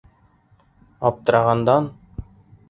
Аптырағандан: